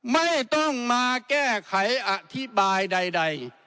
ไม่ต้องมาแก้ไขอธิบายใด